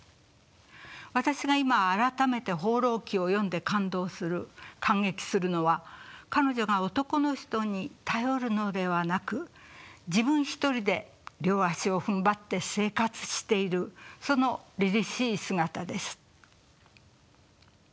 私が今改めて「放浪記」を読んで感動する感激するのは彼女が男の人に頼るのではなく自分一人で両足をふんばって生活しているそのりりしい姿です。